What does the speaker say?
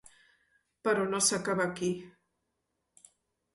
Però no s’acaba aquí.